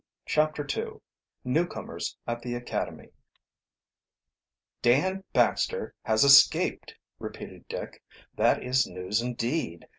CHAPTER II NEWCOMERS AT THE ACADEMY "Dan Baxter has escaped!" repeated Dick. "That is news indeed.